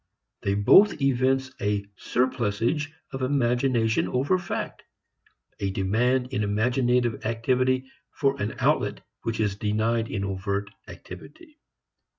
They both evince a surplusage of imagination over fact; a demand in imaginative activity for an outlet which is denied in overt activity.